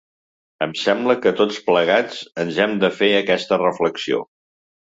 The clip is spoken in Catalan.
Em sembla que tots plegats ens hem de fer aquesta reflexió.